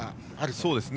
そうですね。